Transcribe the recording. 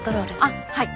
あっはい